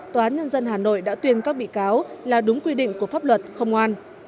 tòa án nhân dân hà nội đã tuyên các bị cáo là đúng quy định của pháp luật không ngoan